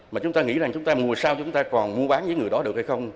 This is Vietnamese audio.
mà chúng ta nghĩ rằng chúng ta mùa sau chúng ta còn mua bán với người đó được hay không